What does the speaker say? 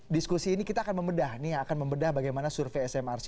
diskusi ini kita akan membedah nih yang akan membedah bagaimana survei smrc